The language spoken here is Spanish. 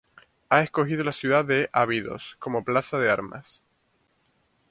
Ha escogido la ciudad de Abidos como plaza de armas.